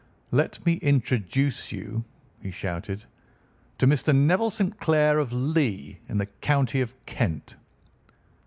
"Let me introduce you," he shouted, "to Mr. Neville St. Clair, of Lee, in the county of Kent."